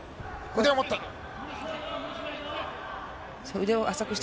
腕を持って。